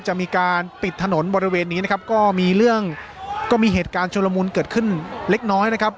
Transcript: จะมีการปิดถนนบริเวณนี้นะครับก็มีเรื่องก็มีเหตุการณ์ชุลมุนเกิดขึ้นเล็กน้อยนะครับ